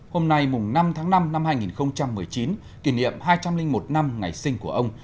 hôm nay năm tháng năm năm hai nghìn một mươi chín kỷ niệm hai trăm linh một năm ngày sinh của ông